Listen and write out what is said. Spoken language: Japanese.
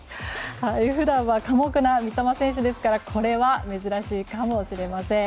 普段は寡黙な三笘選手ですからこれは珍しいかもしれません。